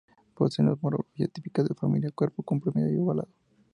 Poseen la morfología típica de su familia, cuerpo comprimido y ovalado.